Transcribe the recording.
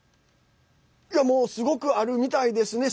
もう、すごくあるみたいですね。